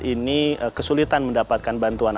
ini kesulitan mendapatkan bantuan